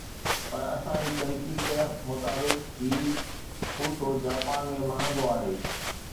پر اسان جي تحقيق مطابق هي ٻوٽو جاپان ۾ مهانگو آهي